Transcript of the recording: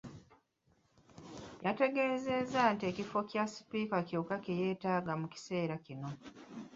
Ategeezezza nti ekifo kya Sipiika kyokka kye yeetaaga mu kiseera kino.